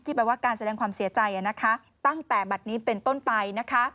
ที่หมายว่าการแสดงความเสียใจตั้งแต่บัตรนี้เป็นต้นไป